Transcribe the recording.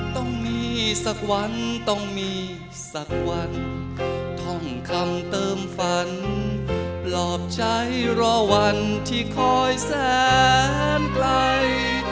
ต้องมีสักวันต้องมีสักวันท่องคำเติมฝันปลอบใช้รอวันที่คอยแสนไกล